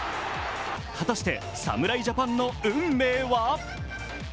果たして侍ジャパンの運命は？